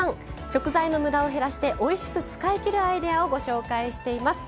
食材のむだを減らしておいしく使いきるアイデアをご紹介しています。